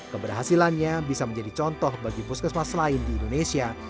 keberhasilannya bisa menjadi contoh bagi puskesmas lain di indonesia